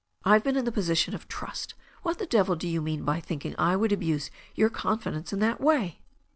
IVe been in a position of trust. What the devil do you mean by thinking I would abuse your confidence in that way?"